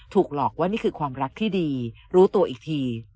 หลอกว่านี่คือความรักที่ดีรู้ตัวอีกที